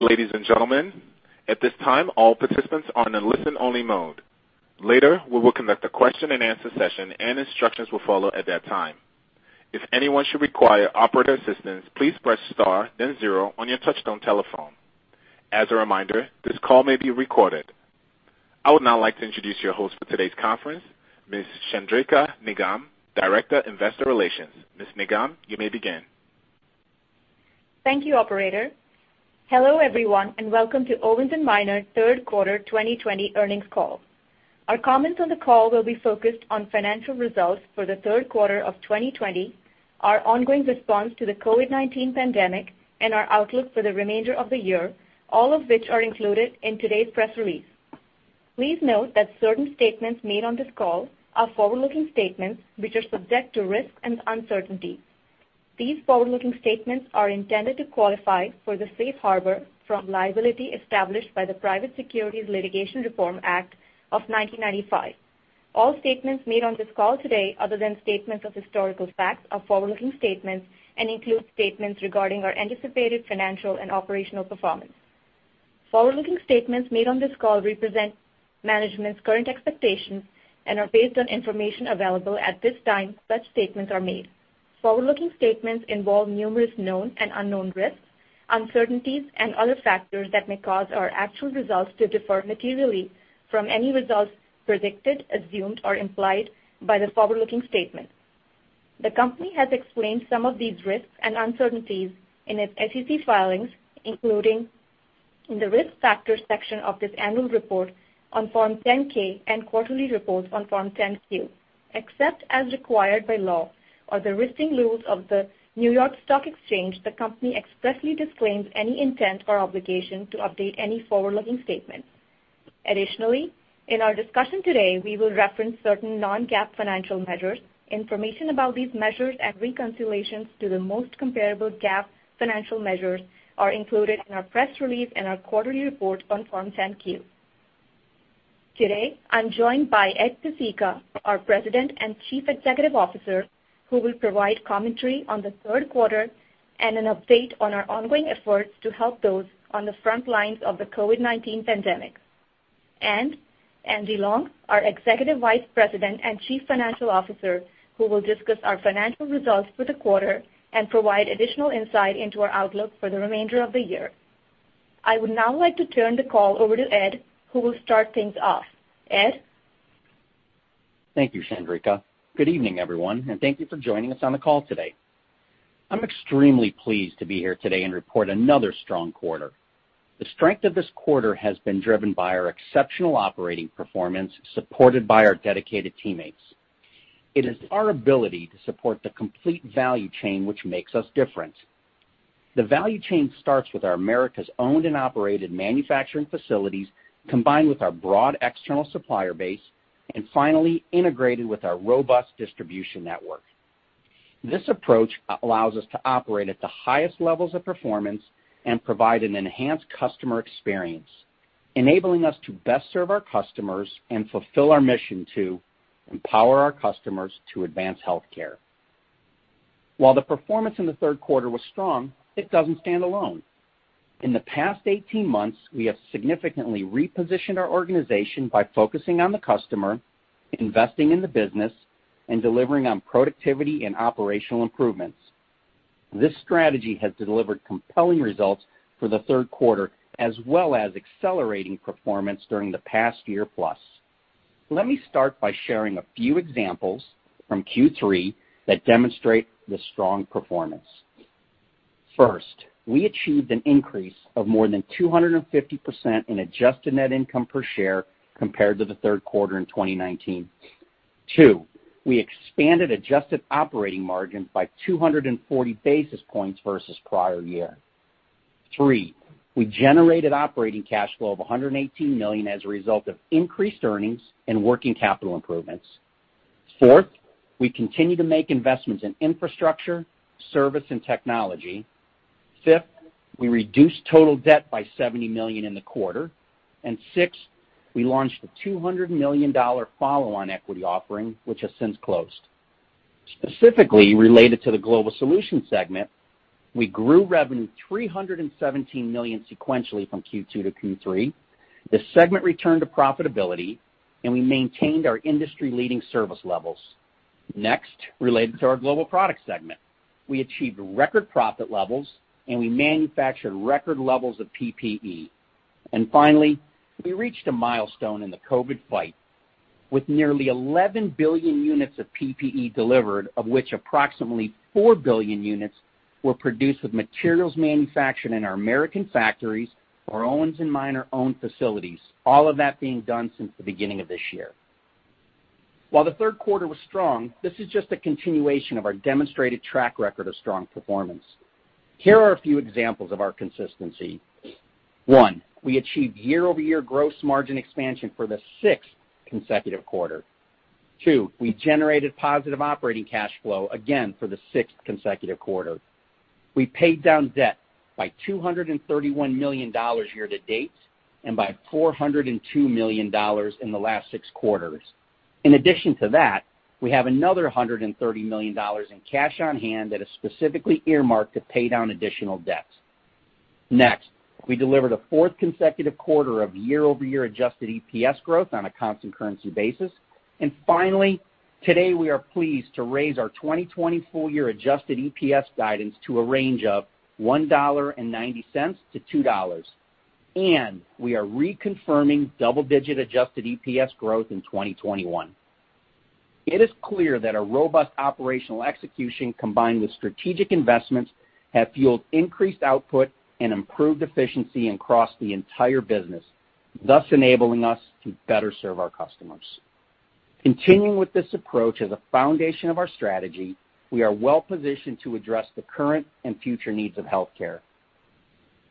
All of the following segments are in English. Ladies and gentlemen, at this time all participants are in a listen-only mode. Later we will conduct a question-and-answer session and instructions will follow at that time. If anyone should require operator assistance please press star then zero on your touch-tone telephone. As a reminder, this call may be recorded. I would now like to introduce your host for today's conference, Ms. Chandrika Nigam, Director, Investor Relations. Ms. Nigam, you may begin. Thank you, operator. Hello everyone and welcome to Owens & Minor Third Quarter 2020 Earnings Call. Our comments on the call will be focused on financial results for the third quarter of 2020, our ongoing response to the COVID-19 pandemic, and our outlook for the remainder of the year, all of which are included in today's press release. Please note that certain statements made on this call are forward-looking statements which are subject to risk and uncertainty. These forward-looking statements are intended to qualify for the safe harbor from liability established by the Private Securities Litigation Reform Act of 1995. All statements made on this call today other than statements of historical facts are forward-looking statements and include statements regarding our anticipated financial and operational performance. Forward-looking statements made on this call represent management's current expectations and are based on information available at this time. Such statements are made. Forward-looking statements involve numerous known and unknown risks, uncertainties, and other factors that may cause our actual results to differ materially from any results predicted, assumed, or implied by the forward-looking statement. The company has explained some of these risks and uncertainties in its SEC filings including in the risk factors section of this annual report on Form 10-K and quarterly reports on Form 10-Q. Except as required by law or the listing rules of the New York Stock Exchange the company expressly disclaims any intent or obligation to update any forward-looking statement. Additionally, in our discussion today we will reference certain non-GAAP financial measures. Information about these measures and reconciliations to the most comparable GAAP financial measures are included in our press release and our quarterly report on Form 10-Q. Today I'm joined by Ed Pesicka, our President and Chief Executive Officer who will provide commentary on the third quarter and an update on our ongoing efforts to help those on the front lines of the COVID-19 pandemic. Andy Long, our Executive Vice President and Chief Financial Officer who will discuss our financial results for the quarter and provide additional insight into our outlook for the remainder of the year. I would now like to turn the call over to Ed who will start things off. Ed? Thank you, Chandrika. Good evening, everyone, and thank you for joining us on the call today. I'm extremely pleased to be here today and report another strong quarter. The strength of this quarter has been driven by our exceptional operating performance supported by our dedicated teammates. It is our ability to support the complete value chain which makes us different. The value chain starts with our Americas-owned and operated manufacturing facilities combined with our broad external supplier base and finally integrated with our robust distribution network. This approach allows us to operate at the highest levels of performance and provide an enhanced customer experience enabling us to best serve our customers and fulfill our mission to empower our customers to advance healthcare. While the performance in the third quarter was strong, it doesn't stand alone. In the past 18 months we have significantly repositioned our organization by focusing on the customer, investing in the business, and delivering on productivity and operational improvements. This strategy has delivered compelling results for the third quarter as well as accelerating performance during the past year plus. Let me start by sharing a few examples from Q3 that demonstrate the strong performance. First, we achieved an increase of more than 250% in adjusted net income per share compared to the third quarter in 2019. Two, we expanded adjusted operating margins by 240 basis points versus prior year. Three, we generated operating cash flow of $118 million as a result of increased earnings and working capital improvements. Fourth, we continue to make investments in infrastructure, service, and technology. Fifth, we reduced total debt by $70 million in the quarter. And sixth, we launched a $200 million follow-on equity offering which has since closed. Specifically related to the Global Solutions segment, we grew revenue $317 million sequentially from Q2 to Q3. The segment returned to profitability and we maintained our industry-leading service levels. Next, related to our Global Products segment, we achieved record profit levels and we manufactured record levels of PPE. And finally, we reached a milestone in the COVID fight with nearly 11 billion units of PPE delivered of which approximately 4 billion units were produced with materials manufactured in our American factories or Owens & Minor-owned facilities, all of that being done since the beginning of this year. While the third quarter was strong, this is just a continuation of our demonstrated track record of strong performance. Here are a few examples of our consistency. One, we achieved year-over-year gross margin expansion for the sixth consecutive quarter. 2, we generated positive operating cash flow again for the sixth consecutive quarter. We paid down debt by $231 million year to date and by $402 million in the last six quarters. In addition to that, we have another $130 million in cash on hand that is specifically earmarked to pay down additional debts. Next, we delivered a fourth consecutive quarter of year-over-year adjusted EPS growth on a constant currency basis. And finally, today we are pleased to raise our 2020 full-year adjusted EPS guidance to a range of $1.90-$2.00. We are reconfirming double-digit adjusted EPS growth in 2021. It is clear that our robust operational execution combined with strategic investments have fueled increased output and improved efficiency across the entire business, thus enabling us to better serve our customers. Continuing with this approach as a foundation of our strategy, we are well positioned to address the current and future needs of healthcare.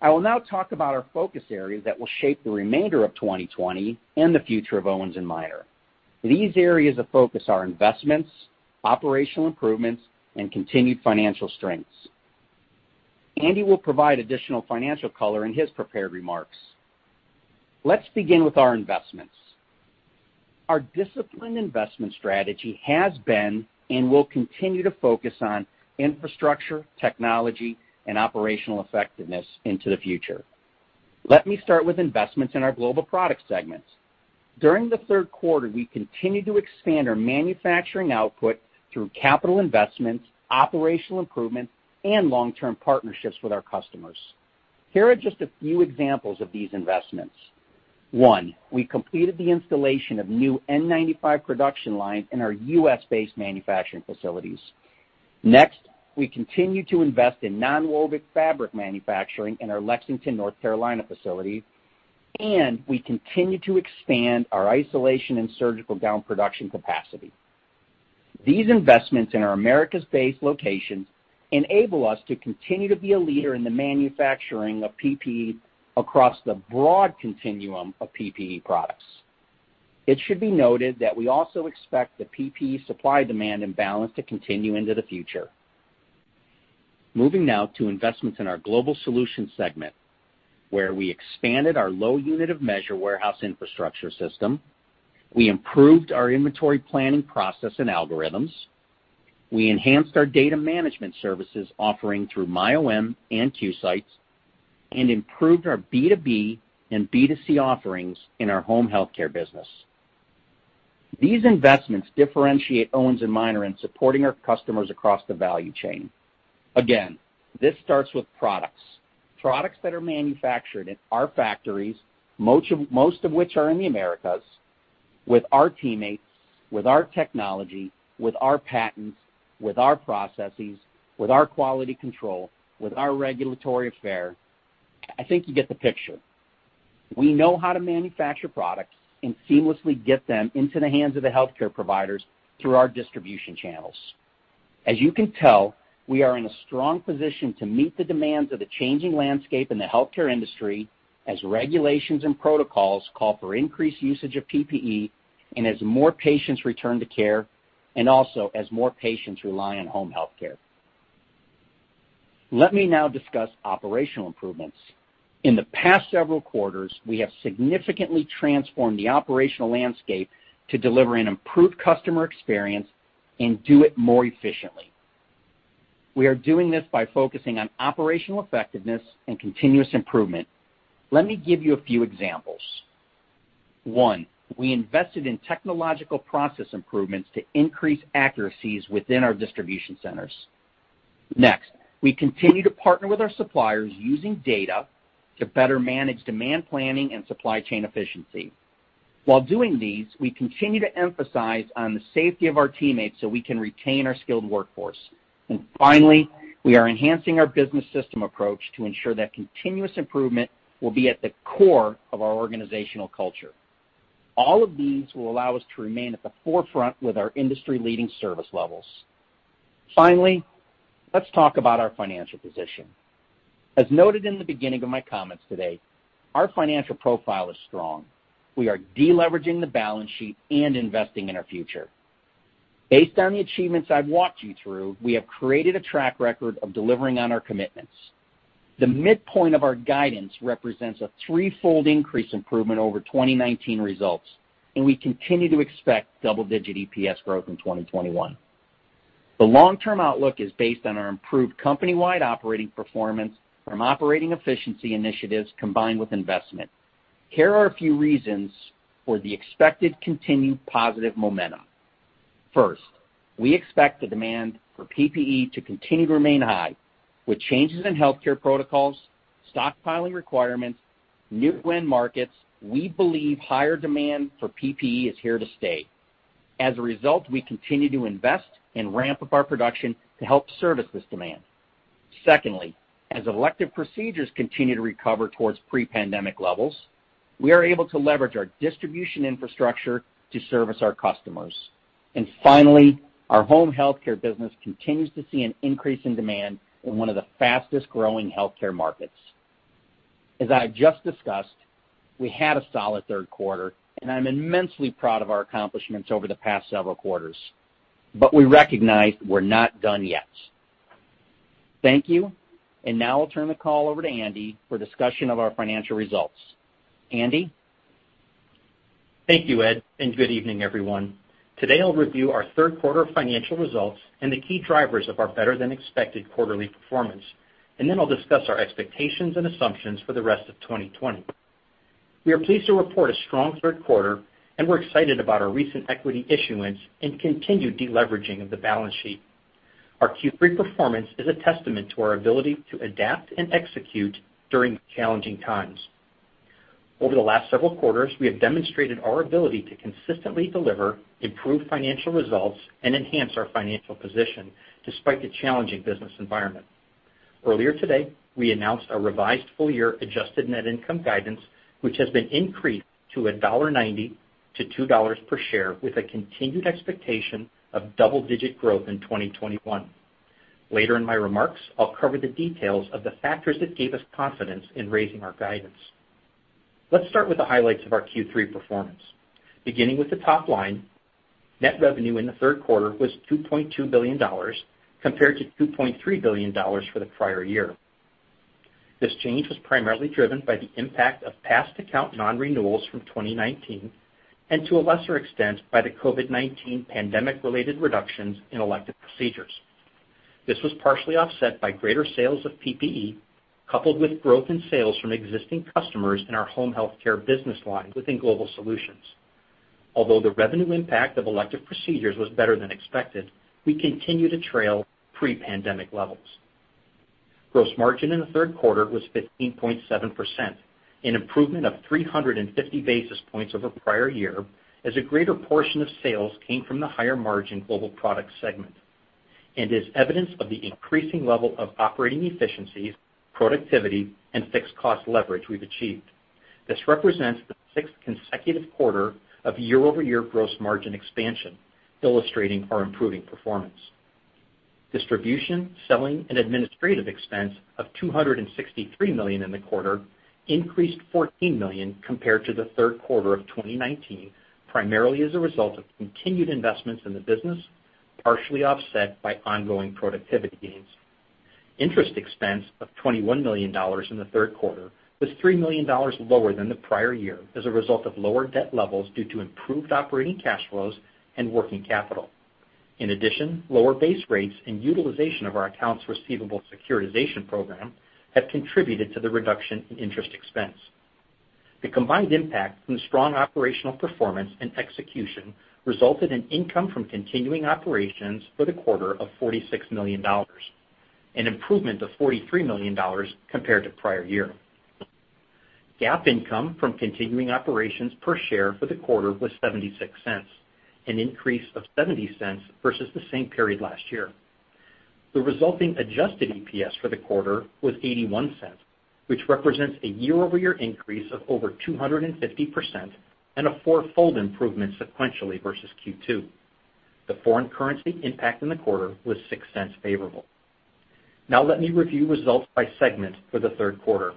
I will now talk about our focus areas that will shape the remainder of 2020 and the future of Owens & Minor. These areas of focus are investments, operational improvements, and continued financial strengths. Andy will provide additional financial color in his prepared remarks. Let's begin with our investments. Our disciplined investment strategy has been and will continue to focus on infrastructure, technology, and operational effectiveness into the future. Let me start with investments in our Global Products segments. During the third quarter we continue to expand our manufacturing output through capital investments, operational improvements, and long-term partnerships with our customers. Here are just a few examples of these investments. One, we completed the installation of new N95 production lines in our U.S.-based manufacturing facilities. Next, we continue to invest in non-woven fabric manufacturing in our Lexington, North Carolina facility. We continue to expand our isolation and surgical gown production capacity. These investments in our Americas-based locations enable us to continue to be a leader in the manufacturing of PPE across the broad continuum of PPE products. It should be noted that we also expect the PPE supply-demand imbalance to continue into the future. Moving now to investments in our Global Solutions segment where we expanded our low unit of measure warehouse infrastructure system. We improved our inventory planning process and algorithms. We enhanced our data management services offering through MyOM and QSight. And improved our B2B and B2C offerings in our home healthcare business. These investments differentiate Owens & Minor in supporting our customers across the value chain. Again, this starts with products. Products that are manufactured in our factories, most of which are in the Americas, with our teammates, with our technology, with our patents, with our processes, with our quality control, with our regulatory affairs. I think you get the picture. We know how to manufacture products and seamlessly get them into the hands of the healthcare providers through our distribution channels. As you can tell, we are in a strong position to meet the demands of the changing landscape in the healthcare industry as regulations and protocols call for increased usage of PPE and as more patients return to care and also as more patients rely on home healthcare. Let me now discuss operational improvements. In the past several quarters we have significantly transformed the operational landscape to deliver an improved customer experience and do it more efficiently. We are doing this by focusing on operational effectiveness and continuous improvement. Let me give you a few examples. One, we invested in technological process improvements to increase accuracies within our distribution centers. Next, we continue to partner with our suppliers using data to better manage demand planning and supply chain efficiency. While doing these, we continue to emphasize on the safety of our teammates so we can retain our skilled workforce. And finally, we are enhancing our business system approach to ensure that continuous improvement will be at the core of our organizational culture. All of these will allow us to remain at the forefront with our industry-leading service levels. Finally, let's talk about our financial position. As noted in the beginning of my comments today, our financial profile is strong. We are deleveraging the balance sheet and investing in our future. Based on the achievements I've walked you through, we have created a track record of delivering on our commitments. The midpoint of our guidance represents a threefold increase improvement over 2019 results and we continue to expect double-digit EPS growth in 2021. The long-term outlook is based on our improved company-wide operating performance from operating efficiency initiatives combined with investment. Here are a few reasons for the expected continued positive momentum. First, we expect the demand for PPE to continue to remain high. With changes in healthcare protocols, stockpiling requirements, new end markets, we believe higher demand for PPE is here to stay. As a result, we continue to invest and ramp up our production to help service this demand. Secondly, as elective procedures continue to recover towards pre-pandemic levels, we are able to leverage our distribution infrastructure to service our customers. And finally, our home healthcare business continues to see an increase in demand in one of the fastest-growing healthcare markets. As I've just discussed, we had a solid third quarter and I'm immensely proud of our accomplishments over the past several quarters. But we recognize we're not done yet. Thank you. Now I'll turn the call over to Andy for discussion of our financial results. Andy? Thank you, Ed. Good evening, everyone. Today I'll review our third quarter financial results and the key drivers of our better-than-expected quarterly performance. Then I'll discuss our expectations and assumptions for the rest of 2020. We are pleased to report a strong third quarter and we're excited about our recent equity issuance and continued deleveraging of the balance sheet. Our Q3 performance is a testament to our ability to adapt and execute during challenging times. Over the last several quarters we have demonstrated our ability to consistently deliver improved financial results and enhance our financial position despite the challenging business environment. Earlier today we announced our revised full-year adjusted net income guidance which has been increased to $1.90-$2.00 per share with a continued expectation of double-digit growth in 2021. Later in my remarks I'll cover the details of the factors that gave us confidence in raising our guidance. Let's start with the highlights of our Q3 performance. Beginning with the top line, net revenue in the third quarter was $2.2 billion compared to $2.3 billion for the prior year. This change was primarily driven by the impact of past account non-renewals from 2019 and to a lesser extent by the COVID-19 pandemic-related reductions in elective procedures. This was partially offset by greater sales of PPE coupled with growth in sales from existing customers in our home healthcare business line within Global Solutions. Although the revenue impact of elective procedures was better than expected, we continue to trail pre-pandemic levels. Gross margin in the third quarter was 15.7%, an improvement of 350 basis points over prior year as a greater portion of sales came from the higher margin Global Products segment. is evidence of the increasing level of operating efficiencies, productivity, and fixed cost leverage we've achieved. This represents the sixth consecutive quarter of year-over-year gross margin expansion illustrating our improving performance. Distribution, selling, and administrative expense of $263 million in the quarter increased $14 million compared to the third quarter of 2019 primarily as a result of continued investments in the business partially offset by ongoing productivity gains. Interest expense of $21 million in the third quarter was $3 million lower than the prior year as a result of lower debt levels due to improved operating cash flows and working capital. In addition, lower base rates and utilization of our accounts receivable securitization program have contributed to the reduction in interest expense. The combined impact from strong operational performance and execution resulted in income from continuing operations for the quarter of $46 million. An improvement of $43 million compared to prior year. GAAP income from continuing operations per share for the quarter was $0.76, an increase of $0.70 versus the same period last year. The resulting adjusted EPS for the quarter was $0.81, which represents a year-over-year increase of over 250% and a fourfold improvement sequentially versus Q2. The foreign currency impact in the quarter was $0.06 favorable. Now let me review results by segment for the third quarter.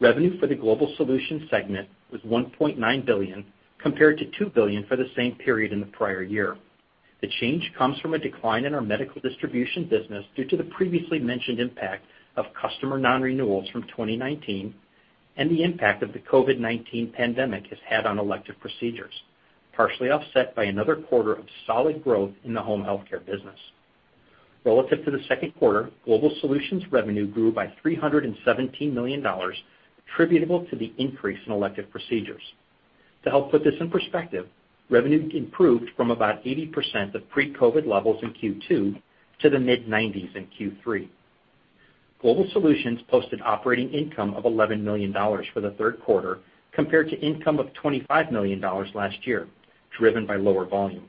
Revenue for the Global Solutions segment was $1.9 billion compared to $2 billion for the same period in the prior year. The change comes from a decline in our medical distribution business due to the previously mentioned impact of customer non-renewals from 2019 and the impact of the COVID-19 pandemic it had on elective procedures partially offset by another quarter of solid growth in the home healthcare business. Relative to the second quarter, Global Solutions revenue grew by $317 million attributable to the increase in elective procedures. To help put this in perspective, revenue improved from about 80% of pre-COVID levels in Q2 to the mid-90s in Q3. Global Solutions posted operating income of $11 million for the third quarter compared to income of $25 million last year driven by lower volume.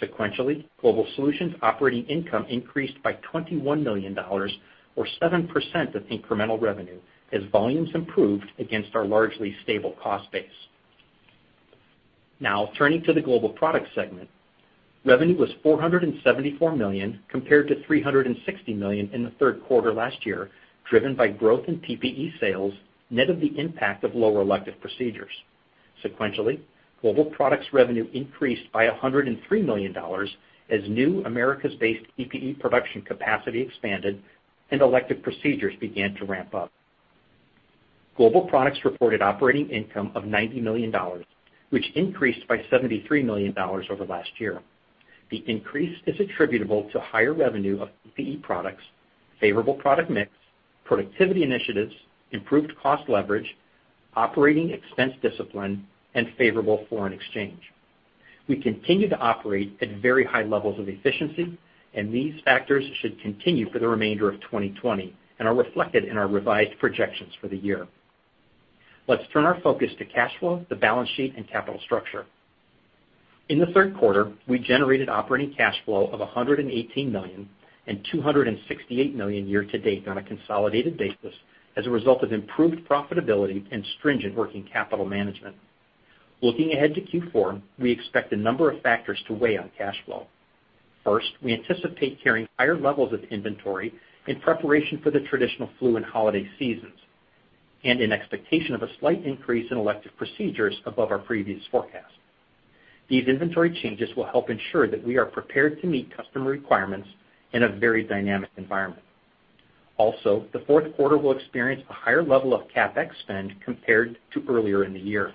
Sequentially, Global Solutions operating income increased by $21 million or 7% of incremental revenue as volumes improved against our largely stable cost base. Now turning to the Global Products segment, revenue was $474 million compared to $360 million in the third quarter last year driven by growth in PPE sales net of the impact of lower elective procedures. Sequentially, Global Products revenue increased by $103 million as new Americas-based PPE production capacity expanded and elective procedures began to ramp up. Global Products reported operating income of $90 million, which increased by $73 million over last year. The increase is attributable to higher revenue of PPE products, favorable product mix, productivity initiatives, improved cost leverage, operating expense discipline, and favorable foreign exchange. We continue to operate at very high levels of efficiency and these factors should continue for the remainder of 2020 and are reflected in our revised projections for the year. Let's turn our focus to cash flow, the balance sheet, and capital structure. In the third quarter we generated operating cash flow of $118 million and $268 million year to date on a consolidated basis as a result of improved profitability and stringent working capital management. Looking ahead to Q4 we expect a number of factors to weigh on cash flow. First, we anticipate carrying higher levels of inventory in preparation for the traditional flu and holiday seasons. In expectation of a slight increase in elective procedures above our previous forecast. These inventory changes will help ensure that we are prepared to meet customer requirements in a very dynamic environment. Also, the fourth quarter will experience a higher level of CapEx spend compared to earlier in the year.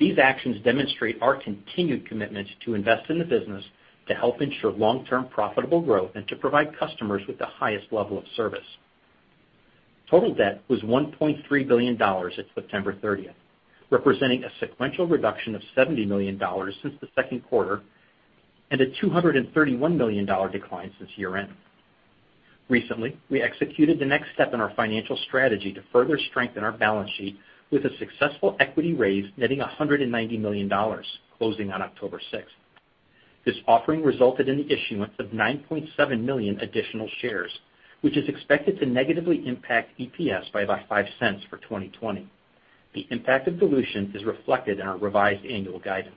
These actions demonstrate our continued commitment to invest in the business to help ensure long-term profitable growth and to provide customers with the highest level of service. Total debt was $1.3 billion at September 30th, representing a sequential reduction of $70 million since the second quarter and a $231 million decline since year-end. Recently, we executed the next step in our financial strategy to further strengthen our balance sheet with a successful equity raise netting $190 million closing on October 6th. This offering resulted in the issuance of 9.7 million additional shares which is expected to negatively impact EPS by about $0.05 for 2020. The impact of dilution is reflected in our revised annual guidance.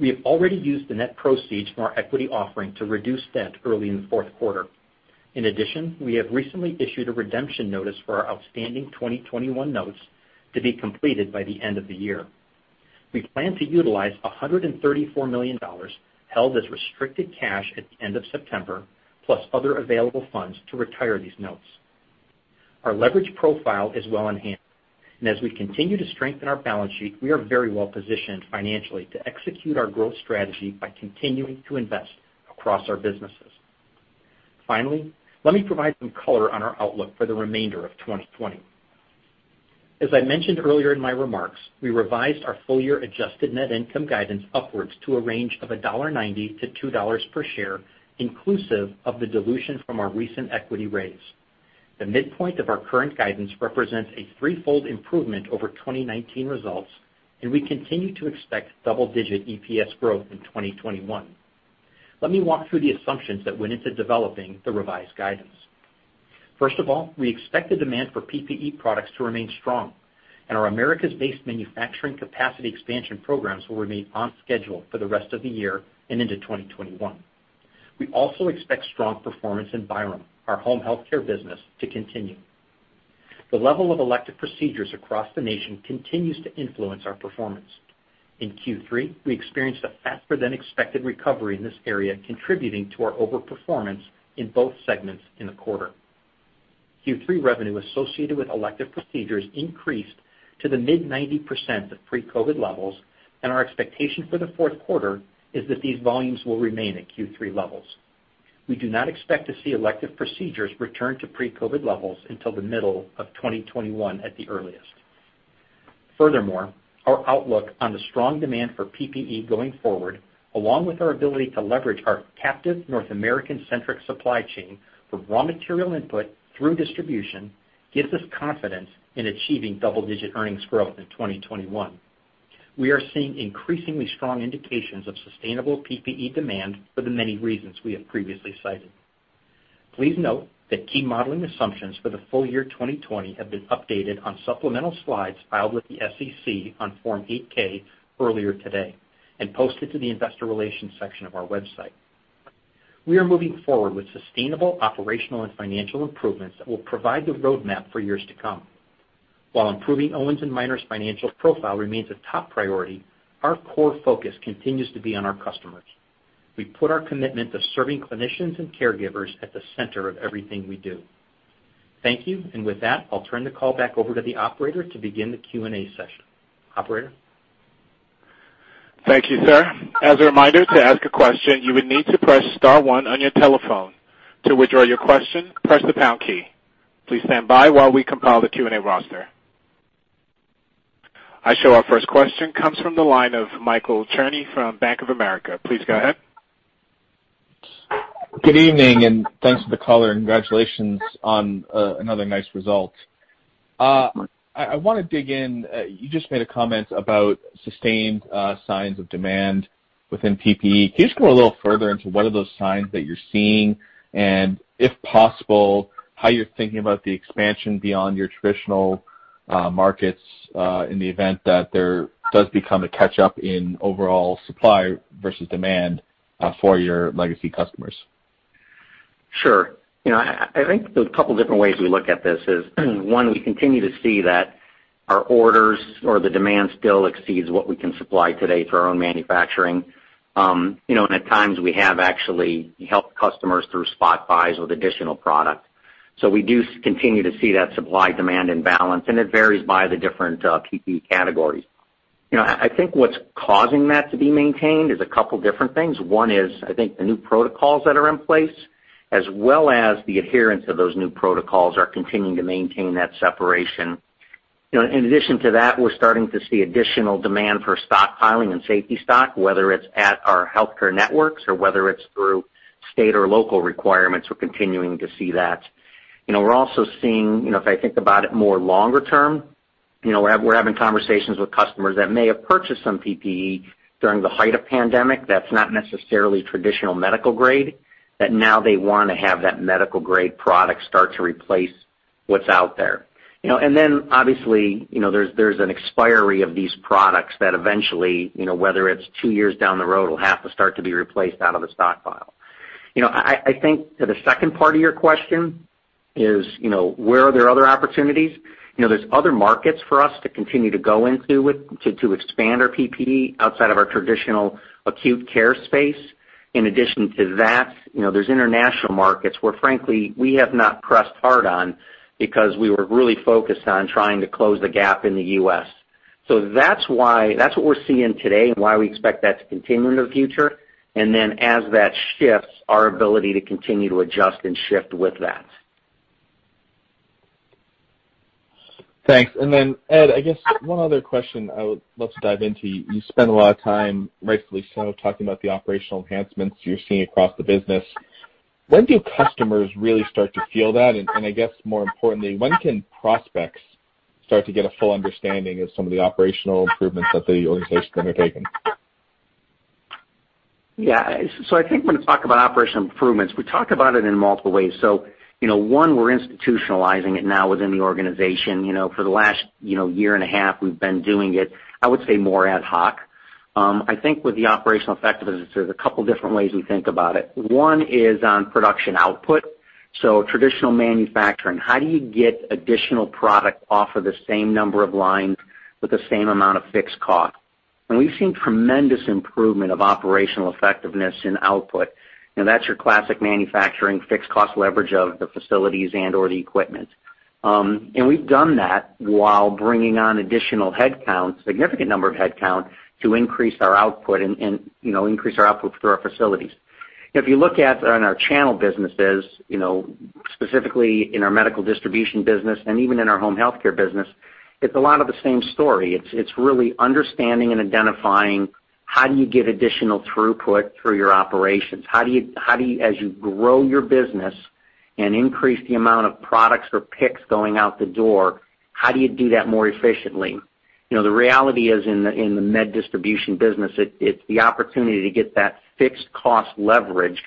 We have already used the net proceeds from our equity offering to reduce debt early in the fourth quarter. In addition, we have recently issued a redemption notice for our outstanding 2021 notes to be completed by the end of the year. We plan to utilize $134 million held as restricted cash at the end of September plus other available funds to retire these notes. Our leverage profile is well enhanced and as we continue to strengthen our balance sheet we are very well positioned financially to execute our growth strategy by continuing to invest across our businesses. Finally, let me provide some color on our outlook for the remainder of 2020. As I mentioned earlier in my remarks, we revised our full-year adjusted net income guidance upwards to a range of $1.90-$2.00 per share inclusive of the dilution from our recent equity raise. The midpoint of our current guidance represents a threefold improvement over 2019 results and we continue to expect double-digit EPS growth in 2021. Let me walk through the assumptions that went into developing the revised guidance. First of all, we expect the demand for PPE products to remain strong and our Americas-based manufacturing capacity expansion programs will remain on schedule for the rest of the year and into 2021. We also expect strong performance in Byram, our home healthcare business, to continue. The level of elective procedures across the nation continues to influence our performance. In Q3 we experienced a faster-than-expected recovery in this area contributing to our overperformance in both segments in the quarter. Q3 revenue associated with elective procedures increased to the mid-90% of pre-COVID levels and our expectation for the fourth quarter is that these volumes will remain at Q3 levels. We do not expect to see elective procedures return to pre-COVID levels until the middle of 2021 at the earliest. Furthermore, our outlook on the strong demand for PPE going forward along with our ability to leverage our captive North American-centric supply chain for raw material input through distribution gives us confidence in achieving double-digit earnings growth in 2021. We are seeing increasingly strong indications of sustainable PPE demand for the many reasons we have previously cited. Please note that key modeling assumptions for the full year 2020 have been updated on supplemental slides filed with the SEC on Form 8-K earlier today and posted to the investor relations section of our website. We are moving forward with sustainable operational and financial improvements that will provide the roadmap for years to come. While improving Owens & Minor's financial profile remains a top priority, our core focus continues to be on our customers. We put our commitment to serving clinicians and caregivers at the center of everything we do. Thank you. With that, I'll turn the call back over to the operator to begin the Q&A session. Operator? Thank you, sir. As a reminder, to ask a question you would need to press star one on your telephone. To withdraw your question, press the pound key. Please stand by while we compile the Q&A roster. I show our first question comes from the line of Michael Cherny from Bank of America. Please go ahead. Good evening and thanks for the color. Congratulations on another nice result. I want to dig in. You just made a comment about sustained signs of demand within PPE. Can you just go a little further into what are those signs that you're seeing and if possible how you're thinking about the expansion beyond your traditional markets in the event that there does become a catch-up in overall supply versus demand for your legacy customers? Sure. I think there's a couple of different ways we look at this is. One, we continue to see that our orders or the demand still exceeds what we can supply today for our own manufacturing. And at times we have actually helped customers through spot buys with additional product. So we do continue to see that supply-demand imbalance and it varies by the different PPE categories. I think what's causing that to be maintained is a couple of different things. One is I think the new protocols that are in place as well as the adherence of those new protocols are continuing to maintain that separation. In addition to that, we're starting to see additional demand for stockpiling and safety stock whether it's at our healthcare networks or whether it's through state or local requirements, we're continuing to see that. We're also seeing, if I think about it more longer term, we're having conversations with customers that may have purchased some PPE during the height of pandemic that's not necessarily traditional medical grade that now they want to have that medical grade product start to replace what's out there. And then obviously there's an expiry of these products that eventually whether it's two years down the road will have to start to be replaced out of the stockpile. I think to the second part of your question is where are there other opportunities? There's other markets for us to continue to go into to expand our PPE outside of our traditional acute care space. In addition to that, there's international markets where frankly we have not pressed hard on because we were really focused on trying to close the gap in the U.S. So that's what we're seeing today and why we expect that to continue in the future. And then as that shifts, our ability to continue to adjust and shift with that. Thanks. And then Ed, I guess one other question I would love to dive into. You spend a lot of time, rightfully so, talking about the operational enhancements you're seeing across the business. When do customers really start to feel that? And I guess more importantly, when can prospects start to get a full understanding of some of the operational improvements that the organization is undertaking? Yeah. So I think when we talk about operational improvements, we talk about it in multiple ways. So one, we're institutionalizing it now within the organization. For the last year and a half we've been doing it, I would say more ad hoc. I think with the operational effectiveness there's a couple of different ways we think about it. One is on production output. So traditional manufacturing, how do you get additional product off of the same number of lines with the same amount of fixed cost? And we've seen tremendous improvement of operational effectiveness in output. That's your classic manufacturing fixed cost leverage of the facilities and/or the equipment. And we've done that while bringing on additional headcount, significant number of headcount to increase our output and increase our output through our facilities. If you look at our channel businesses, specifically in our medical distribution business and even in our home healthcare business, it's a lot of the same story. It's really understanding and identifying how do you get additional throughput through your operations? How do you as you grow your business and increase the amount of products or picks going out the door, how do you do that more efficiently? The reality is in the med distribution business it's the opportunity to get that fixed cost leverage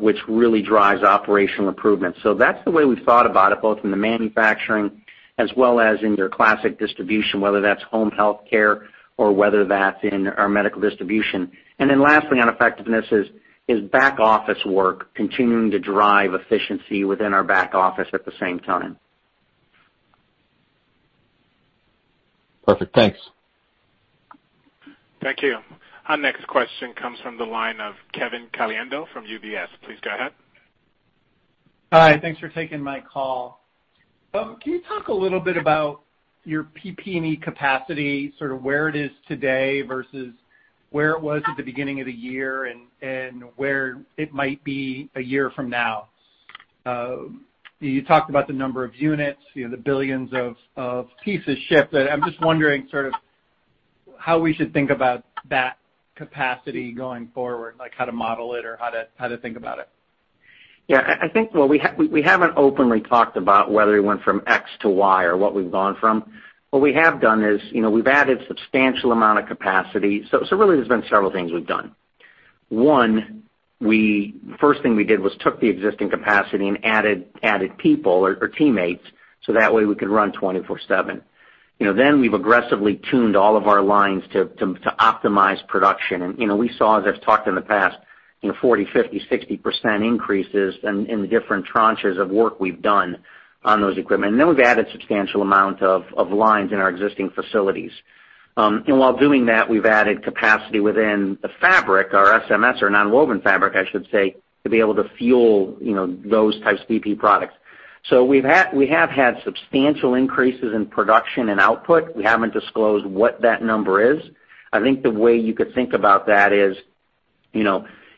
which really drives operational improvements. So that's the way we've thought about it both in the manufacturing as well as in your classic distribution whether that's home healthcare or whether that's in our medical distribution. And then lastly on effectiveness is back office work continuing to drive efficiency within our back office at the same time. Perfect. Thanks. Thank you. Our next question comes from the line of Kevin Caliendo from UBS. Please go ahead. Hi. Thanks for taking my call. Can you talk a little bit about your PPE capacity, sort of where it is today versus where it was at the beginning of the year and where it might be a year from now? You talked about the number of units, the billions of pieces shipped. I'm just wondering sort of how we should think about that capacity going forward, how to model it or how to think about it. Yeah. I think, well, we haven't openly talked about whether we went from X to Y or what we've gone from. What we have done is we've added a substantial amount of capacity. So really there's been several things we've done. One, the first thing we did was took the existing capacity and added people or teammates so that way we could run 24/7. Then we've aggressively tuned all of our lines to optimize production. And we saw, as I've talked in the past, 40%, 50%, 60% increases in the different tranches of work we've done on those equipment. And then we've added a substantial amount of lines in our existing facilities. And while doing that, we've added capacity within the fabric, our SMS or non-woven fabric I should say, to be able to fuel those types of PPE products. We have had substantial increases in production and output. We haven't disclosed what that number is. I think the way you could think about that is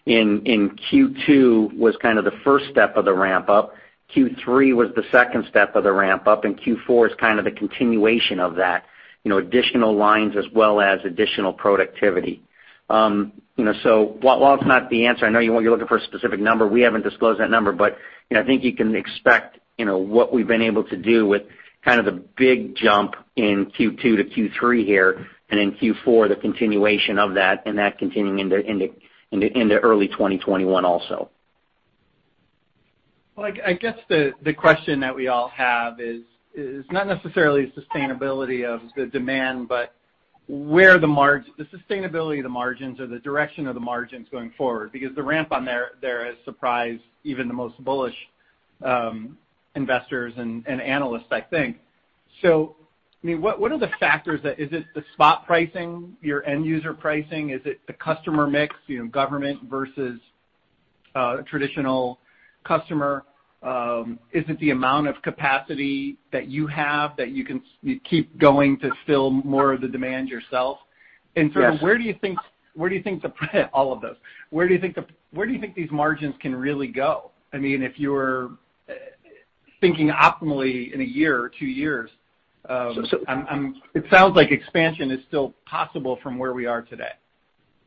in Q2 was kind of the first step of the ramp-up. Q3 was the second step of the ramp-up. Q4 is kind of the continuation of that, additional lines as well as additional productivity. While it's not the answer, I know you're looking for a specific number. We haven't disclosed that number. I think you can expect what we've been able to do with kind of the big jump in Q2 to Q3 here and in Q4 the continuation of that and that continuing into early 2021 also. Well, I guess the question that we all have is not necessarily sustainability of the demand but where the sustainability of the margins or the direction of the margins going forward because the ramp on there has surprised even the most bullish investors and analysts I think. So I mean, what are the factors? Is it the spot pricing, your end-user pricing? Is it the customer mix, government versus traditional customer? Is it the amount of capacity that you have that you can keep going to fill more of the demand yourself? And sort of, where do you think all of those? Where do you think these margins can really go? I mean, if you were thinking optimally in a year, two years, it sounds like expansion is still possible from where we are today.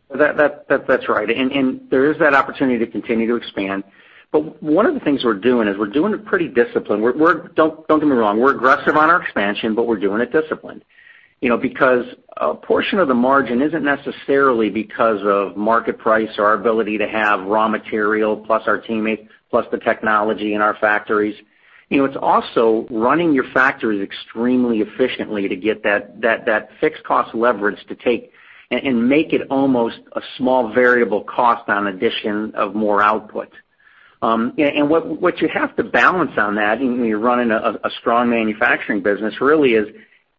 That's right. And there is that opportunity to continue to expand. But one of the things we're doing is we're doing it pretty disciplined. Don't get me wrong. We're aggressive on our expansion but we're doing it disciplined because a portion of the margin isn't necessarily because of market price or our ability to have raw material plus our teammates plus the technology in our factories. It's also running your factories extremely efficiently to get that fixed cost leverage to take and make it almost a small variable cost on addition of more output. And what you have to balance on that when you're running a strong manufacturing business really is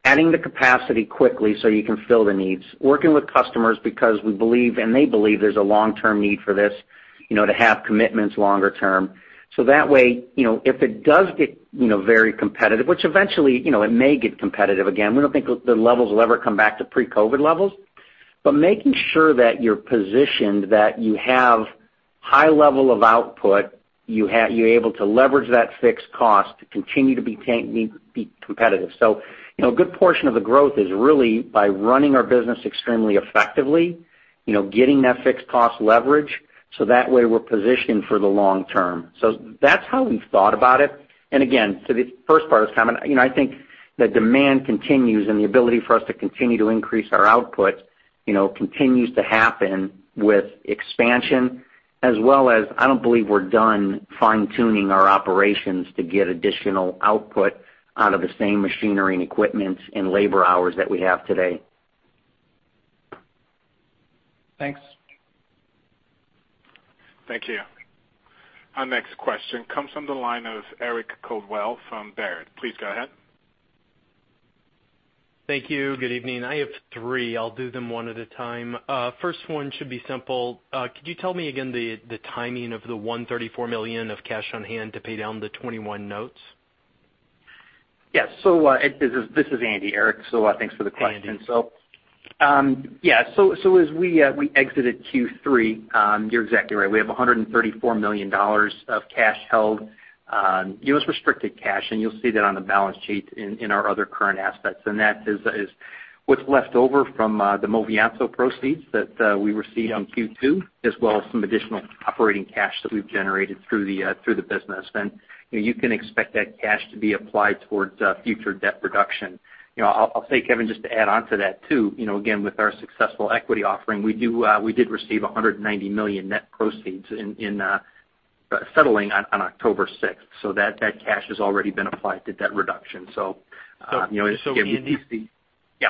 adding the capacity quickly so you can fill the needs, working with customers because we believe and they believe there's a long-term need for this to have commitments longer term. So that way if it does get very competitive which eventually it may get competitive again. We don't think the levels will ever come back to pre-COVID levels. But making sure that you're positioned, that you have high level of output, you're able to leverage that fixed cost to continue to be competitive. So a good portion of the growth is really by running our business extremely effectively, getting that fixed cost leverage so that way we're positioned for the long term. So that's how we've thought about it. And again, to the first part of this comment, I think the demand continues and the ability for us to continue to increase our output continues to happen with expansion as well as I don't believe we're done fine-tuning our operations to get additional output out of the same machinery and equipment and labor hours that we have today. Thanks. Thank you. Our next question comes from the line of Eric Coldwell from Baird. Please go ahead. Thank you. Good evening. I have three. I'll do them one at a time. First one should be simple. Could you tell me again the timing of the $134 million of cash on hand to pay down the 2021 notes? Yes. This is Andy, Eric. Thanks for the question. Hi Andy. So yeah. So as we exited Q3, you're exactly right. We have $134 million of cash held, U.S.-restricted cash. And you'll see that on the balance sheet in our other current assets. And that is what's left over from the Movianto proceeds that we received in Q2 as well as some additional operating cash that we've generated through the business. And you can expect that cash to be applied towards future debt reduction. I'll say, Kevin, just to add on to that too, again with our successful equity offering, we did receive $190 million net proceeds in settling on October 6th. So that cash has already been applied to debt reduction. So again, we do see yeah.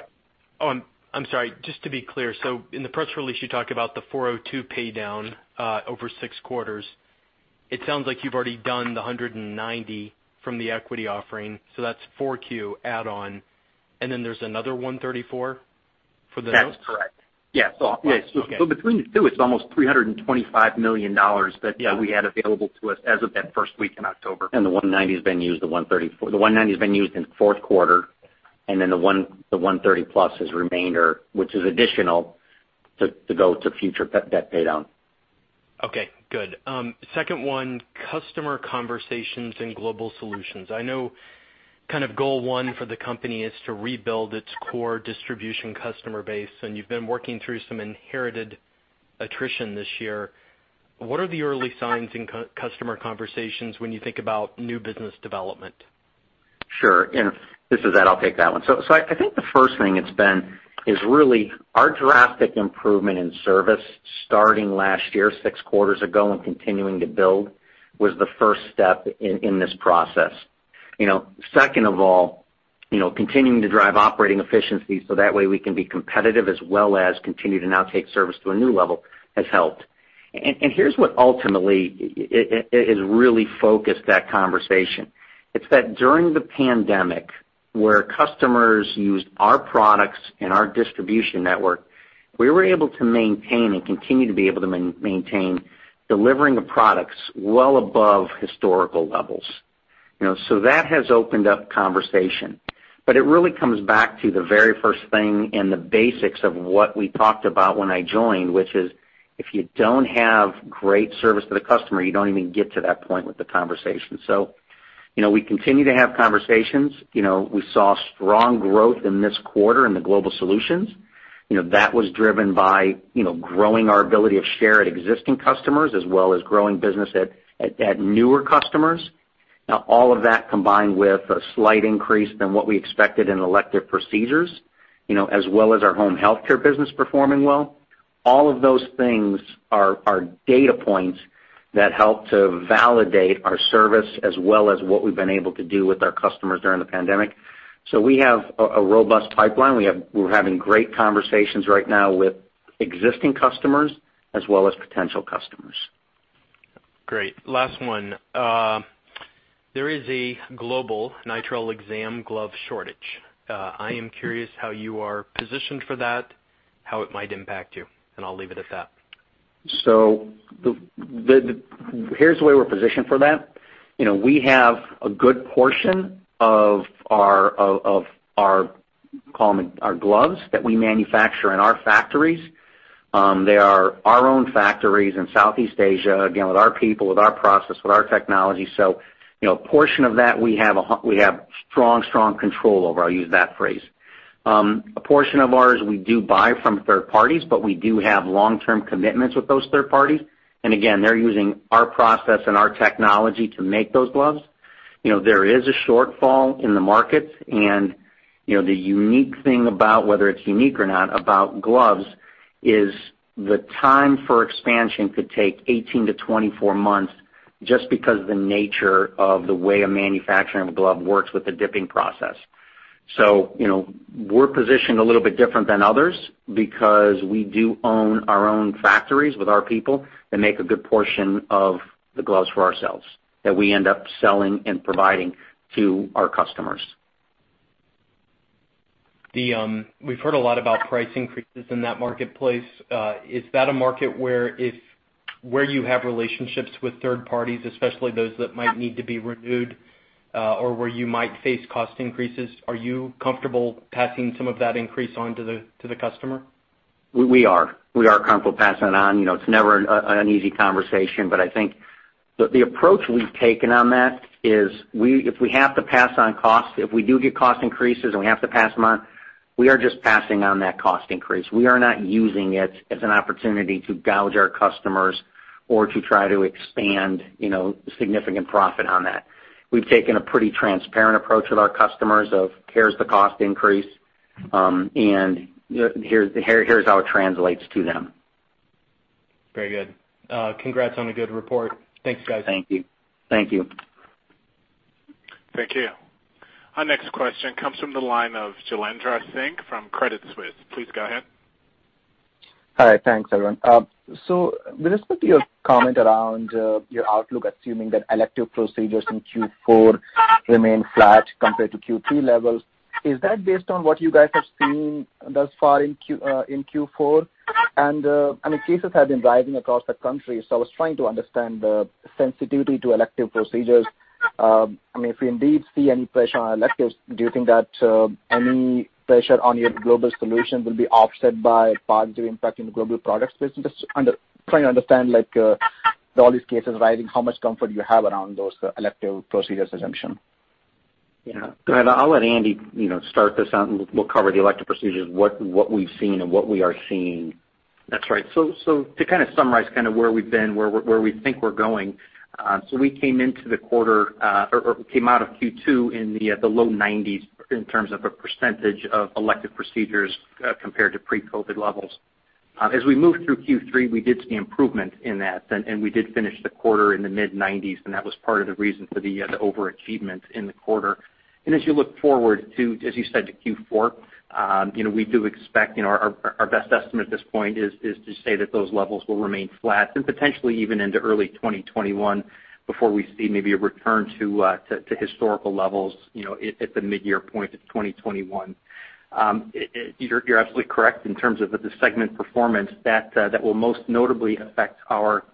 So Andy. Oh, I'm sorry. Just to be clear, so in the press release you talked about the $402 paydown over six quarters. It sounds like you've already done the $190 from the equity offering. So that's 4Q add-on. And then there's another $134 for the notes? That's correct. Yeah. So between the two, it's almost $325 million that we had available to us as of that first week in October. And the $190 million has been used. The $190 million has been used in fourth quarter. And then the $130+ million is remainder which is additional to go to future debt paydown. Okay. Good. Second one, Customer Conversations and Global Solutions. I know kind of goal one for the company is to rebuild its core distribution customer base. You've been working through some inherited attrition this year. What are the early signs in customer conversations when you think about new business development? Sure. And this is that. I'll take that one. So I think the first thing it's been is really our drastic improvement in service starting last year, 6 quarters ago, and continuing to build was the first step in this process. Second of all, continuing to drive operating efficiency so that way we can be competitive as well as continue to now take service to a new level has helped. And here's what ultimately has really focused that conversation. It's that during the pandemic where customers used our products in our distribution network, we were able to maintain and continue to be able to maintain delivering the products well above historical levels. So that has opened up conversation. But it really comes back to the very first thing and the basics of what we talked about when I joined, which is if you don't have great service to the customer, you don't even get to that point with the conversation. So we continue to have conversations. We saw strong growth in this quarter in the Global Solutions. That was driven by growing our ability to share at existing customers as well as growing business at newer customers. Now all of that combined with a slight increase than what we expected in elective procedures as well as our home healthcare business performing well, all of those things are data points that help to validate our service as well as what we've been able to do with our customers during the pandemic. So we have a robust pipeline. We're having great conversations right now with existing customers as well as potential customers. Great. Last one. There is a global nitrile exam glove shortage. I am curious how you are positioned for that, how it might impact you. I'll leave it at that. So here's the way we're positioned for that. We have a good portion of our call them gloves that we manufacture in our factories. They are our own factories in Southeast Asia again with our people, with our process, with our technology. So a portion of that we have strong, strong control over. I'll use that phrase. A portion of ours we do buy from third parties but we do have long-term commitments with those third parties. And again, they're using our process and our technology to make those gloves. There is a shortfall in the market. And the unique thing about whether it's unique or not about gloves is the time for expansion could take 18-24 months just because of the nature of the way a manufacturer of a glove works with the dipping process. We're positioned a little bit different than others because we do own our own factories with our people that make a good portion of the gloves for ourselves that we end up selling and providing to our customers. We've heard a lot about price increases in that marketplace. Is that a market where you have relationships with third parties, especially those that might need to be renewed or where you might face cost increases? Are you comfortable passing some of that increase onto the customer? We are comfortable passing it on. It's never an easy conversation. But I think the approach we've taken on that is if we have to pass on costs, if we do get cost increases and we have to pass them on, we are just passing on that cost increase. We are not using it as an opportunity to gouge our customers or to try to expand significant profit on that. We've taken a pretty transparent approach with our customers of here's the cost increase and here's how it translates to them. Very good. Congrats on a good report. Thanks, guys. Thank you. Thank you. Thank you. Our next question comes from the line of Jailendra Singh from Credit Suisse. Please go ahead. Hi. Thanks, everyone. With respect to your comment around your outlook assuming that elective procedures in Q4 remain flat compared to Q3 levels, is that based on what you guys have seen thus far in Q4? I mean, cases have been rising across the country. I was trying to understand the sensitivity to elective procedures. I mean, if we indeed see any pressure on electives, do you think that any pressure on your Global Solution will be offset by a positive impact in the Global Products business? Just trying to understand with all these cases rising, how much comfort you have around those elective procedures assumption. Yeah. Go ahead. I'll let Andy start this out and we'll cover the elective procedures, what we've seen and what we are seeing. That's right. So to kind of summarize kind of where we've been, where we think we're going, so we came into the quarter or came out of Q2 in the low 90s% in terms of a percentage of elective procedures compared to pre-COVID levels. As we moved through Q3, we did see improvement in that. We did finish the quarter in the mid-90s%. And that was part of the reason for the overachievement in the quarter. As you look forward to, as you said, to Q4, we do expect our best estimate at this point is to say that those levels will remain flat and potentially even into early 2021 before we see maybe a return to historical levels at the mid-year point of 2021. You're absolutely correct in terms of the segment performance. That will most notably affect our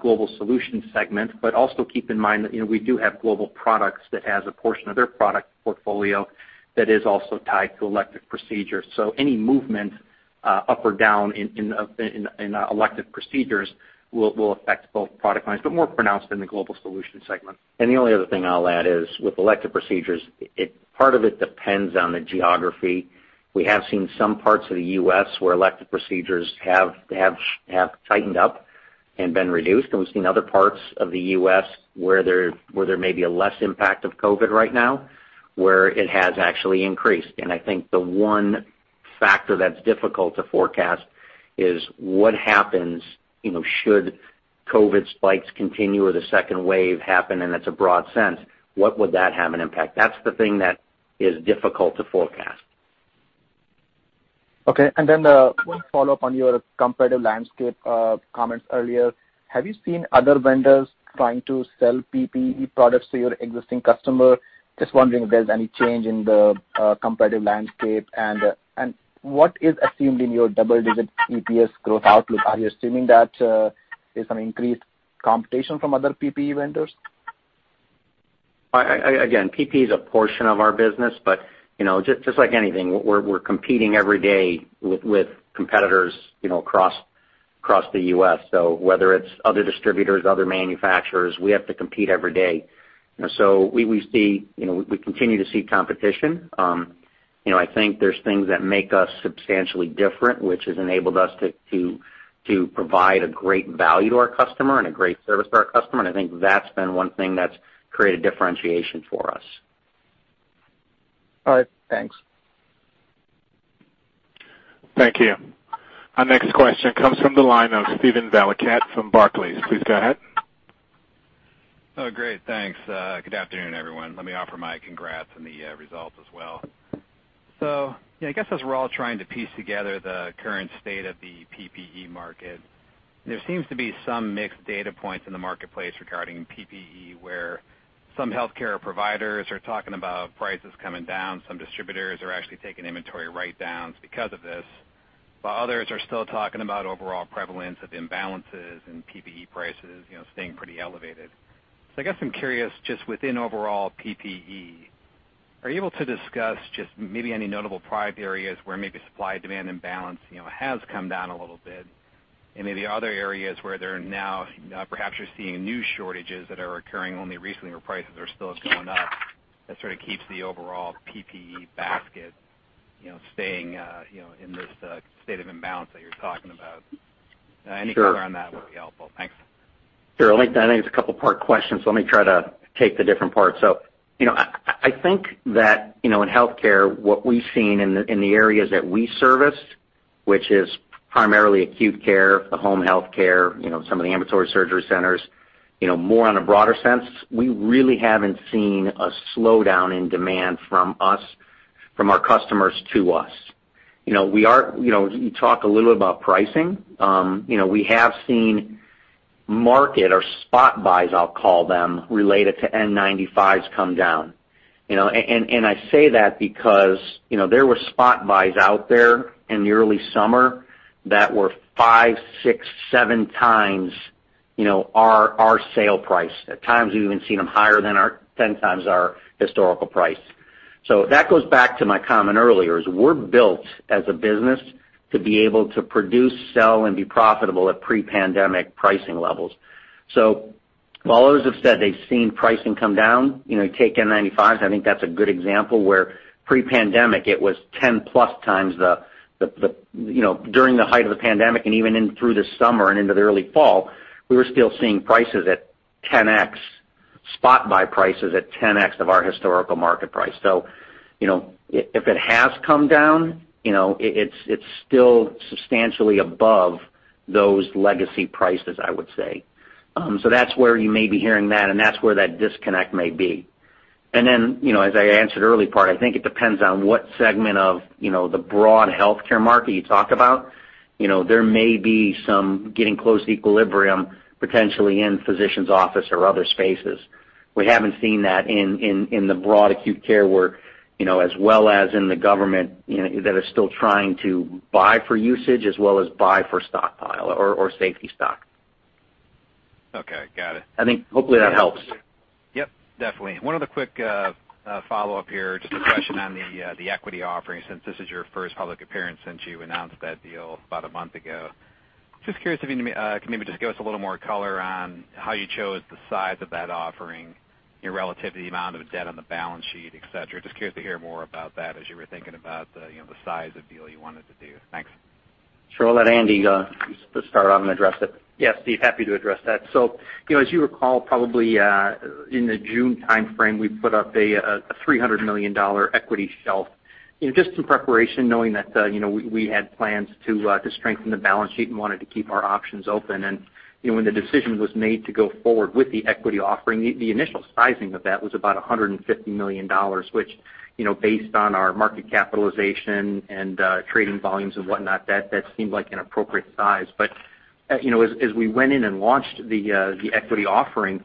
Global Solution segment. But also keep in mind that we do have Global Products that has a portion of their product portfolio that is also tied to elective procedures. So any movement up or down in elective procedures will affect both product lines but more pronounced in the Global Solution segment. And the only other thing I'll add is with elective procedures, part of it depends on the geography. We have seen some parts of the U.S. where elective procedures have tightened up and been reduced. And we've seen other parts of the U.S. where there may be a less impact of COVID right now where it has actually increased.I think the one factor that's difficult to forecast is what happens should COVID spikes continue or the second wave happen, and that's a broad sense, what would that have an impact? That's the thing that is difficult to forecast. Okay. And then one follow-up on your competitive landscape comments earlier. Have you seen other vendors trying to sell PPE products to your existing customer? Just wondering if there's any change in the competitive landscape. And what is assumed in your double-digit EPS growth outlook? Are you assuming that there's some increased competition from other PPE vendors? Again, PPE is a portion of our business. But just like anything, we're competing every day with competitors across the U.S. So whether it's other distributors, other manufacturers, we have to compete every day. So we continue to see competition. I think there's things that make us substantially different which has enabled us to provide a great value to our customer and a great service to our customer. And I think that's been one thing that's created differentiation for us. All right. Thanks. Thank you. Our next question comes from the line of Steven Valiquette from Barclays. Please go ahead. Oh, great. Thanks. Good afternoon, everyone. Let me offer my congrats and the results as well. So yeah, I guess as we're all trying to piece together the current state of the PPE market, there seems to be some mixed data points in the marketplace regarding PPE where some healthcare providers are talking about prices coming down, some distributors are actually taking inventory write-downs because of this, while others are still talking about overall prevalence of imbalances in PPE prices staying pretty elevated. I guess I'm curious just within overall PPE, are you able to discuss just maybe any notable product areas where maybe supply-demand imbalance has come down a little bit and maybe other areas where perhaps you're seeing new shortages that are occurring only recently where prices are still going up that sort of keeps the overall PPE basket staying in this state of imbalance that you're talking about? Any color on that would be helpful. Thanks. Sure. I think it's a couple-part question. So let me try to take the different parts. So I think that in healthcare, what we've seen in the areas that we service which is primarily acute care, the home healthcare, some of the ambulatory surgery centers, more on a broader sense, we really haven't seen a slowdown in demand from our customers to us. When you talk a little bit about pricing. We have seen market or spot buys, I'll call them, related to N95s come down. And I say that because there were spot buys out there in the early summer that were 5x, 6x, 7x our sale price. At times, we've even seen them higher than our 10x our historical price. So that goes back to my comment earlier is we're built as a business to be able to produce, sell, and be profitable at pre-pandemic pricing levels. So while others have said they've seen pricing come down, take N95s. I think that's a good example where pre-pandemic, it was 10+ times the during the height of the pandemic and even through the summer and into the early fall, we were still seeing prices at 10x, spot-buy prices at 10x of our historical market price. So if it has come down, it's still substantially above those legacy prices, I would say. So that's where you may be hearing that. And that's where that disconnect may be. And then as I answered the early part, I think it depends on what segment of the broad healthcare market you talk about. There may be some getting close to equilibrium potentially in physician's office or other spaces. We haven't seen that in the broad acute care, where as well as in the government that are still trying to buy for usage as well as buy for stockpile or safety stock. Okay. Got it. I think hopefully that helps. Yep. Definitely. One other quick follow-up here, just a question on the equity offering since this is your first public appearance since you announced that deal about a month ago. Just curious if you can maybe just give us a little more color on how you chose the size of that offering, your relative amount of debt on the balance sheet, etc. Just curious to hear more about that as you were thinking about the size of the deal you wanted to do. Thanks. Sure. I'll let Andy start on and address it. Yes, Steve, happy to address that. So as you recall, probably in the June time frame, we put up a $300 million equity shelf just in preparation knowing that we had plans to strengthen the balance sheet and wanted to keep our options open. And when the decision was made to go forward with the equity offering, the initial sizing of that was about $150 million which based on our market capitalization and trading volumes and whatnot, that seemed like an appropriate size. But as we went in and launched the equity offering,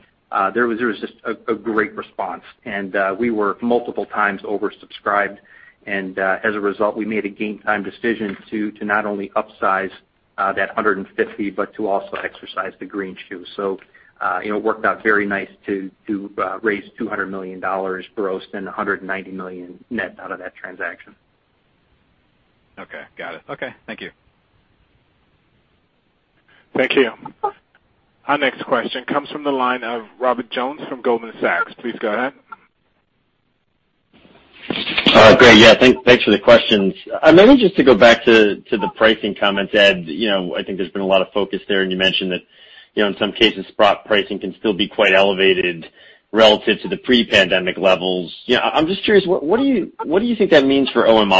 there was just a great response. And we were multiple times oversubscribed. And as a result, we made a game-time decision to not only upsize that 150 but to also exercise the greenshoe. So it worked out very nice to raise $200 million gross and $190 million net out of that transaction. Okay. Got it. Okay. Thank you. Thank you. Our next question comes from the line of Robert Jones from Goldman Sachs. Please go ahead. Great. Yeah. Thanks for the questions. Maybe just to go back to the pricing comments, Ed, I think there's been a lot of focus there. And you mentioned that in some cases, spot pricing can still be quite elevated relative to the pre-pandemic levels. I'm just curious, what do you think that means for OMI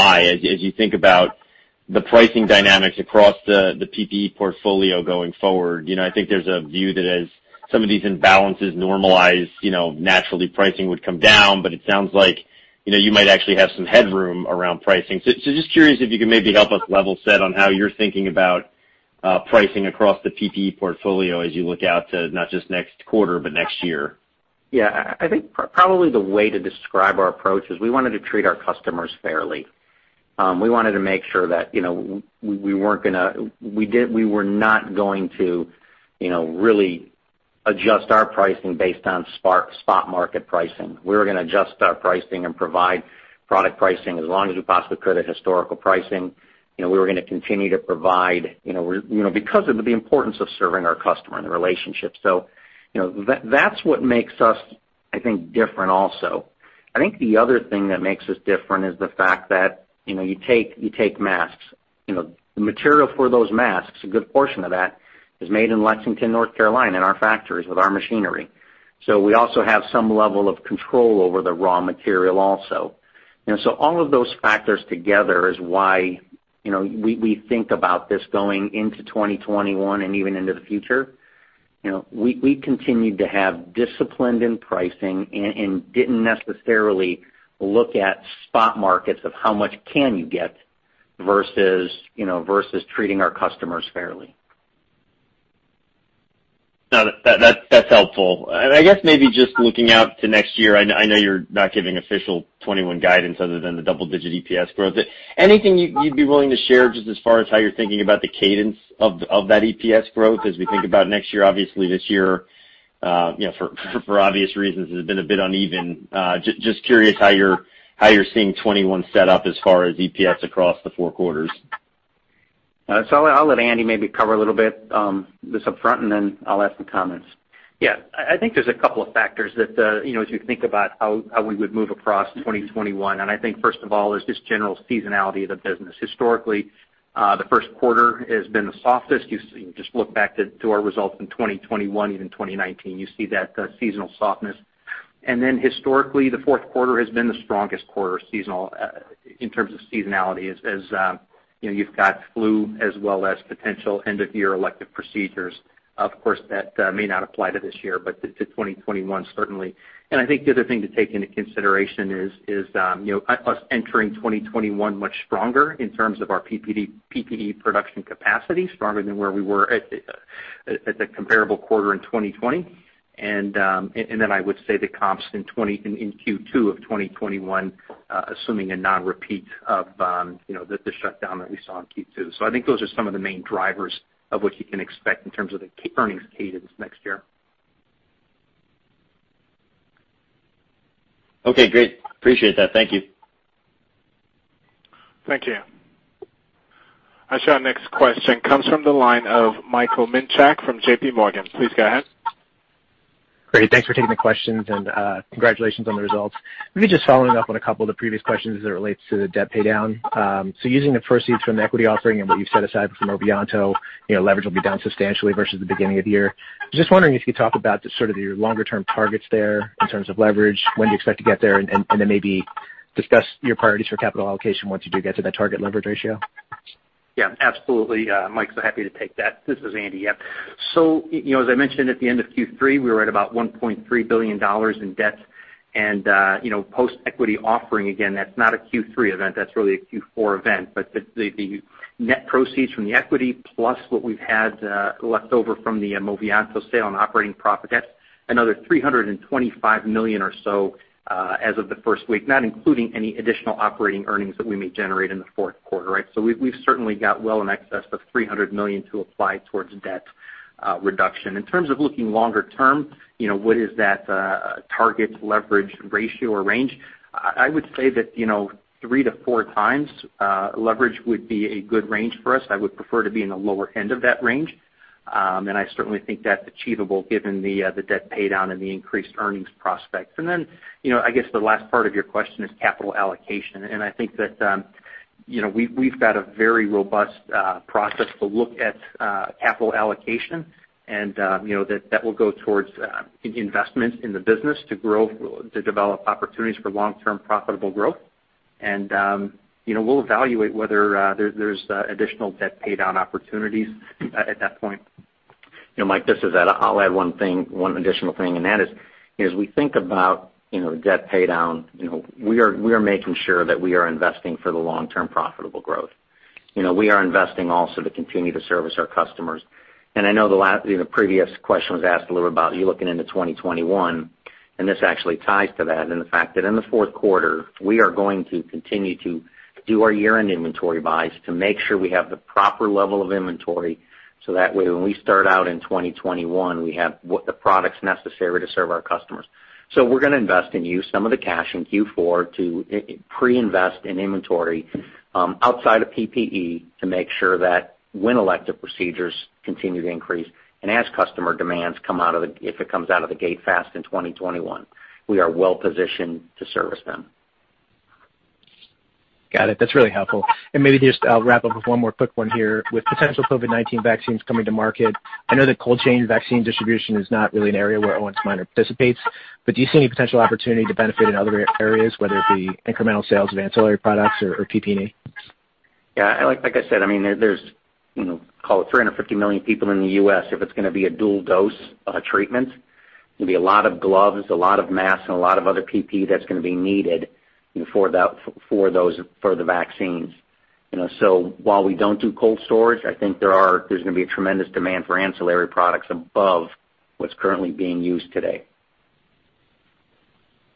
as you think about the pricing dynamics across the PPE portfolio going forward? I think there's a view that as some of these imbalances normalize, naturally, pricing would come down. But it sounds like you might actually have some headroom around pricing. So just curious if you could maybe help us level set on how you're thinking about pricing across the PPE portfolio as you look out to not just next quarter but next year. Yeah. I think probably the way to describe our approach is we wanted to treat our customers fairly. We wanted to make sure that we weren't going to really adjust our pricing based on spot market pricing. We were going to adjust our pricing and provide product pricing as long as we possibly could at historical pricing. We were going to continue to provide because of the importance of serving our customer and the relationship. So that's what makes us, I think, different also. I think the other thing that makes us different is the fact that you take masks. The material for those masks, a good portion of that, is made in Lexington, North Carolina, in our factories with our machinery. So we also have some level of control over the raw material also. So all of those factors together is why we think about this going into 2021 and even into the future. We continued to have discipline in pricing and didn't necessarily look at spot markets of how much can you get versus treating our customers fairly. No, that's helpful. And I guess maybe just looking out to next year, I know you're not giving official 2021 guidance other than the double-digit EPS growth. Anything you'd be willing to share just as far as how you're thinking about the cadence of that EPS growth as we think about next year? Obviously, this year, for obvious reasons, has been a bit uneven. Just curious how you're seeing 2021 set up as far as EPS across the four quarters? So I'll let Andy maybe cover a little bit this upfront. And then I'll ask the comments. Yeah. I think there's a couple of factors that as we think about how we would move across 2021. And I think, first of all, there's just general seasonality of the business. Historically, the first quarter has been the softest. You just look back to our results in 2021, even 2019, you see that seasonal softness. And then historically, the fourth quarter has been the strongest quarter in terms of seasonality as you've got flu as well as potential end-of-year elective procedures. Of course, that may not apply to this year. But to 2021, certainly. And I think the other thing to take into consideration is us entering 2021 much stronger in terms of our PPE production capacity, stronger than where we were at the comparable quarter in 2020. Then I would say the comps in Q2 of 2021, assuming a non-repeat of the shutdown that we saw in Q2. So I think those are some of the main drivers of what you can expect in terms of the earnings cadence next year. Okay. Great. Appreciate that. Thank you. Thank you. Our next question comes from the line of Michael Minchak from J.P. Morgan. Please go ahead. Great. Thanks for taking the questions. And congratulations on the results. Maybe just following up on a couple of the previous questions as it relates to the debt paydown. So using the proceeds from the equity offering and what you've set aside from Movianto, leverage will be down substantially versus the beginning of year. Just wondering if you could talk about sort of your longer-term targets there in terms of leverage, when do you expect to get there, and then maybe discuss your priorities for capital allocation once you do get to that target leverage ratio? Yeah. Absolutely, Mike. So happy to take that. This is Andy. Yep. So as I mentioned, at the end of Q3, we were at about $1.3 billion in debt. And post-equity offering, again, that's not a Q3 event. That's really a Q4 event. But the net proceeds from the equity plus what we've had leftover from the Movianto sale and operating profit, that's another $325 million or so as of the first week, not including any additional operating earnings that we may generate in the fourth quarter, right? So we've certainly got well in excess of $300 million to apply towards debt reduction. In terms of looking longer-term, what is that target leverage ratio or range? I would say that 3x-4x leverage would be a good range for us. I would prefer to be in the lower end of that range. I certainly think that's achievable given the debt paydown and the increased earnings prospects. Then I guess the last part of your question is capital allocation. I think that we've got a very robust process to look at capital allocation. That will go towards investments in the business to grow, to develop opportunities for long-term profitable growth. We'll evaluate whether there's additional debt paydown opportunities at that point. Mike, this is Ed. I'll add one additional thing. That is as we think about debt paydown, we are making sure that we are investing for the long-term profitable growth. We are investing also to continue to service our customers. I know the previous question was asked a little bit about you looking into 2021. This actually ties to that and the fact that in the fourth quarter, we are going to continue to do our year-end inventory buys to make sure we have the proper level of inventory so that way when we start out in 2021, we have the products necessary to serve our customers. We're going to invest and use some of the cash in Q4 to pre-invest in inventory outside of PPE to make sure that when elective procedures continue to increase and as customer demands come out of the gate fast in 2021, we are well-positioned to service them. Got it. That's really helpful. And maybe just I'll wrap up with one more quick one here with potential COVID-19 vaccines coming to market. I know that cold chain vaccine distribution is not really an area where Owens & Minor participates. But do you see any potential opportunity to benefit in other areas, whether it be incremental sales of ancillary products or PPE? Yeah. Like I said, I mean, there's, call it, 350 million people in the U.S. if it's going to be a dual-dose treatment. It'll be a lot of gloves, a lot of masks, and a lot of other PPE that's going to be needed for the vaccines. So while we don't do cold storage, I think there's going to be a tremendous demand for ancillary products above what's currently being used today.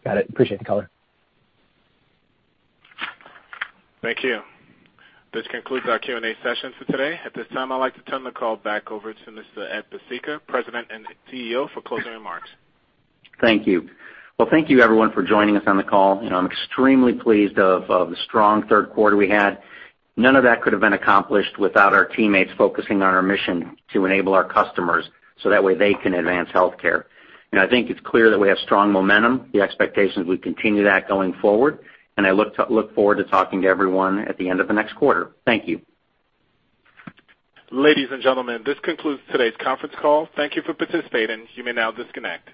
Got it. Appreciate the color. Thank you. This concludes our Q&A session for today. At this time, I'd like to turn the call back over to Mr. Edward Pesicka, President and CEO, for closing remarks. Thank you. Well, thank you, everyone, for joining us on the call. I'm extremely pleased of the strong third quarter we had. None of that could have been accomplished without our teammates focusing on our mission to enable our customers so that way they can advance healthcare. I think it's clear that we have strong momentum, the expectations we continue that going forward. I look forward to talking to everyone at the end of the next quarter. Thank you. Ladies and gentlemen, this concludes today's conference call. Thank you for participating. You may now disconnect.